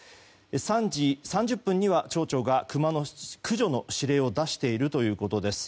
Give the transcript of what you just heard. ３時３０分には町長がクマの駆除の指令を出しているということです。